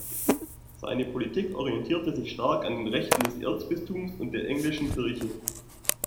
Seine Politik orientierte sich stark an den Rechten des Erzbistums und der englischen Kirche.